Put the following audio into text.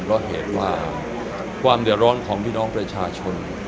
เพราะเหตุว่าความเดือดร้อนของพี่น้องประชาชน